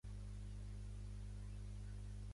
Daniel Pi i Noya és un polític nascut a Barcelona.